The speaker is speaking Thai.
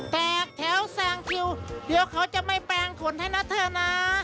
แตกแถวแซงคิวเดี๋ยวเขาจะไม่แปลงขนให้นะเธอนะ